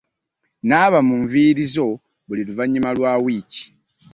Naaba mu nviiri zo buli luvanyuma lwa wiiki.